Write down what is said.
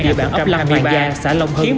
trên địa bàn ấp lâm hoàng gia xã lông hưng